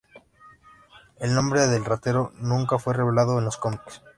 El nombre del Ratero nunca fue revelado en los cómics.